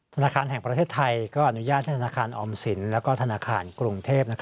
ธนาคารแห่งประเทศไทยก็อนุญาตให้ธนาคารออมสินและธนาคารกรุงเทพ